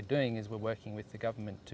jadi kami bekerja dengan pemerintah